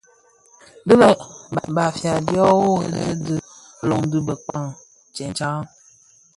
Di i di lè Bafia dyo worè bi löň dhi bëkpag tsentsa.